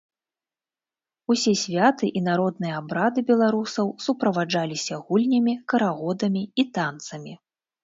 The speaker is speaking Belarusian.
Усе святы і народныя абрады беларусаў суправаджаліся гульнямі, карагодамі і танцамі.